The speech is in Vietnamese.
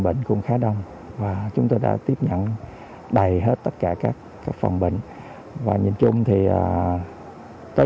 bệnh cũng khá đông và chúng tôi đã tiếp nhận đầy hết tất cả các phòng bệnh và nhìn chung thì tới